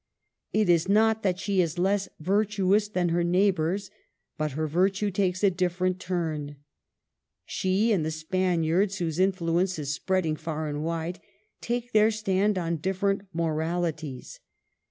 It is not that she is less virtuous than her neighbors, but her virtue takes a different turn. She and the Spaniards, whose influence is spread ing far and wide, take their stand on different moralities.